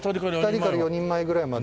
２人から４人前ぐらいまで。